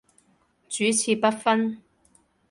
主次不分